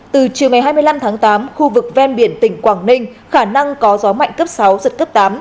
từ chiều ngày hai mươi năm tháng tám khu vực ven biển tỉnh quảng ninh khả năng có gió mạnh cấp sáu giật cấp tám